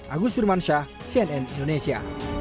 agus turmansyah cnn indonesia